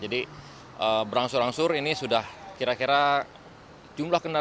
berangsur angsur ini sudah kira kira jumlah kendaraan